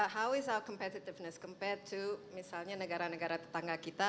how is out competitiveness comparet to misalnya negara negara tetangga kita